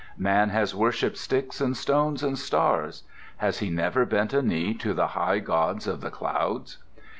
Man has worshipped sticks and stones and stars: has he never bent a knee to the high gods of the clouds?